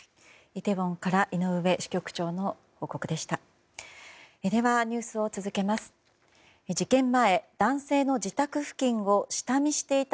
イテウォンから井上支局長の報告でした。